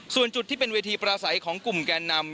ส่วนจุดที่เป็นเวทีประสัยของกลุ่มแกนนำ